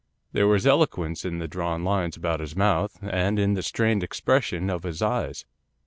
There was eloquence in the drawn lines about his mouth, and in the strained expression of his eyes.